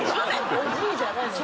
「おじい」じゃないのよ